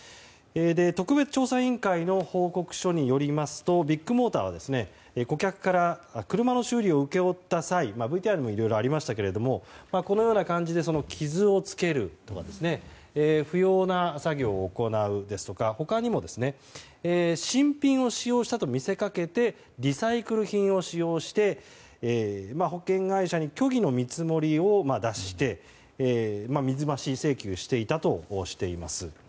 特別調査委員会の報告書によりますとビッグモーターは顧客から車の修理を請け負った際ＶＴＲにもいろいろありましたがこのような感じで傷をつけるとか不要な作業を行うですとか他にも新品を使用したと見せかけてリサイクル品を使用して保険会社に虚偽の見積もりを出して水増し請求していたとしています。